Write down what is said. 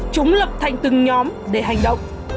chúng lập thành từng nhóm để hành động